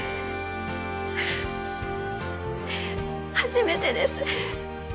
初めてです。